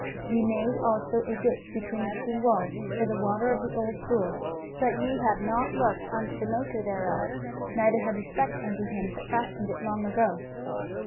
23:022:011 Ye made also a ditch between the two walls for the water of the old pool: but ye have not looked unto the maker thereof, neither had respect unto him that fashioned it long ago.